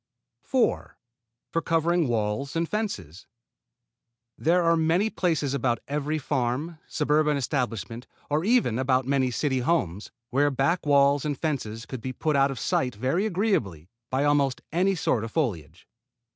4. For covering walls and fences. There are many places about every farm, suburban establishment, or even about many city homes, where back walls and fences could be put out of sight very agreeably by almost any sort of foliage.